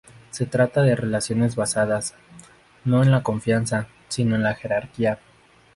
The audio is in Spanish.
Se trata de relaciones basadas, no en la confianza, sino en la jerarquía.